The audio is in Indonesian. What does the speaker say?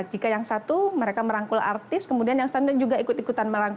jika yang satu mereka merangkul artis kemudian yang standar juga ikut ikutan